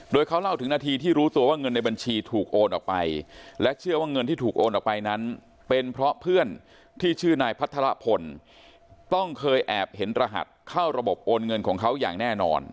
โดยเขาเล่าถึงนาทีที่รู้ตัวว่าเงินในบัญชีถูกโอนออกไปและเชื่อว่าเงินที่ถูกโอนออกไปนั้นเป็นเพราะเพื่อนที่ชื่อนายพัทรพลต้องเคยแอบเห็นรหัสเข้าระบบโอนเงินของเขาอย่างแน่นอน